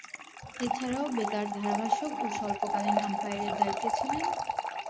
এছাড়াও, বেতার ধারাভাষ্যকার ও স্বল্পকালীন আম্পায়ারের দায়িত্বে ছিলেন।